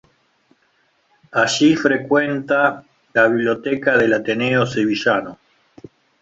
Allí frecuenta la biblioteca del Ateneo sevillano.